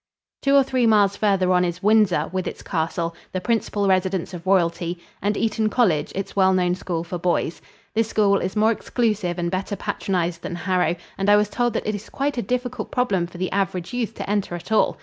Two or three miles farther on is Windsor, with its castle, the principal residence of royalty, and Eton College, its well known school for boys. This school is more exclusive and better patronized than Harrow, and I was told that it is quite a difficult problem for the average youth to enter at all.